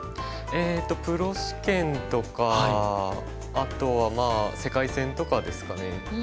えっとプロ試験とかあとはまあ世界戦とかですかね。